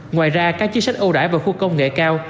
ngoài ra các chính sách ưu đại về khu công nghệ cao